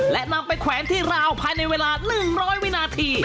และนำไปแขวนที่ราวภายในเวลา๑๐๐วินาที